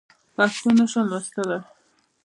پښتو نه شم لوستلی.